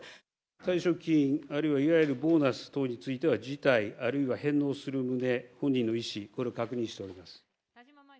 退職金、あるいはいわゆるボーナス等については、辞退、あるいは返納する旨、本人の意思、これ、確認しております。